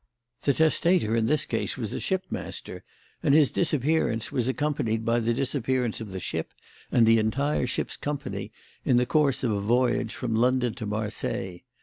"The testator in this case was a shipmaster, and his disappearance was accompanied by the disappearance of the ship and the entire ship's company in the course of a voyage from London to Marseilles.